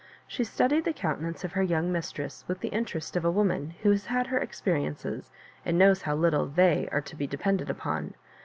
She studied the countenance of her young mistress with the interest of aivoman who has had her experiences, and knows how little They are to be depended upon.